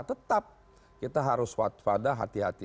tetap kita harus waspada hati hati